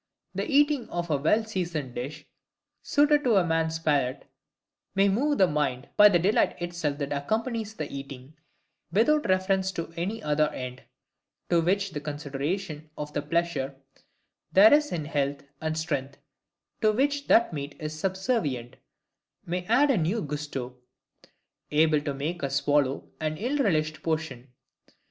The eating of a well seasoned dish, suited to a man's palate, may move the mind by the delight itself that accompanies the eating, without reference to any other end; to which the consideration of the pleasure there is in health and strength (to which that meat is subservient) may add a new GUSTO, able to make us swallow an ill relished potion.